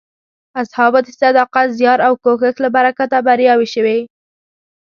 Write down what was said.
اصحابو د صداقت، زیار او کوښښ له برکته بریاوې شوې.